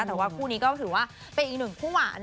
แต่ว่าคู่นี้ก็ถือว่าเป็นอีกหนึ่งคู่หวาน